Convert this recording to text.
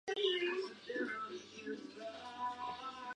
Suele ser una bebida servida con un fuerte sabor dulce.